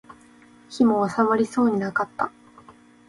火も納まりそうもなかった